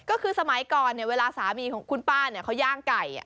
ก็คือสมัยก่อนเนี่ยเวลาสามีของคุณป้าเนี่ยเค้าย่างไก่อะ